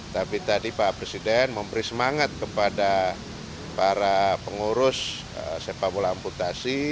tapi tadi pak presiden memberi semangat kepada para pengurus sepak bola amputasi